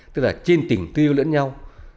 tức là trên tình tư ước lẫn nhau